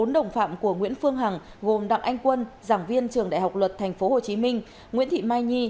bốn đồng phạm của nguyễn phương hằng gồm đặng anh quân giảng viên trường đại học luật tp hcm nguyễn thị mai nhi